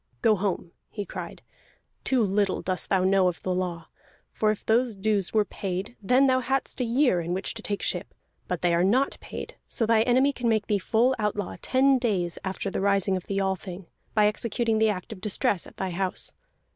"Go home!" he cried. "Too little dost thou know of the law. For if those dues were paid, then thou hadst a year in which to take ship. But they are not paid, so thy enemy can make thee full outlaw ten days after the rising of the Althing, by executing the act of distress at thy house.